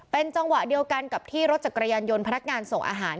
เป็นจังหวะเดียวกันกับที่รถจักรยานยนต์พนักงานส่งอาหาร